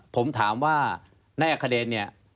ผมถามว่านายอัคเดชเนี่ย